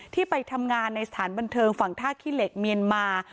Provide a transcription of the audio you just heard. ที่ไปทำงานในสถานบันเทิงฝั่งท่าขี้เหล็กเมียนมา